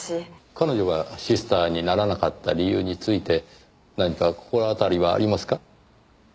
彼女がシスターにならなかった理由について何か心当たりはありますか？